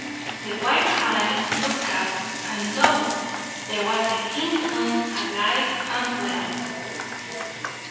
The white hind looked out, and lo! there was the King's son alive and well.